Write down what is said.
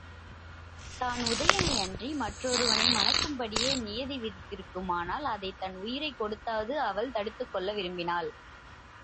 தான் உதயணனையன்றி மற்றொருவனை மணக்கும்படியே நியதி விதித்திருக்குமானால் அதைத் தன் உயிரைக் கொடுத்தாவது அவள் தடுத்துக்கொள்ள விரும்பினாள்.